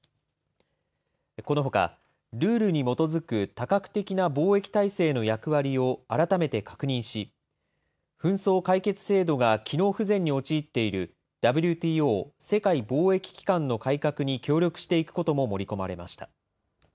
このほか、ルールに基づく多角的な貿易体制の役割を改めて確認し、紛争解決制度が機能不全に陥っているＷＴＯ・世界貿易機関の改革に協力していくことも盛り込まれました。